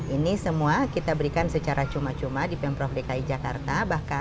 ini semua kita berikan secara cuma cuma di pemprov dki jakarta